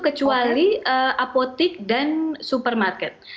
kecuali apotik dan supermarket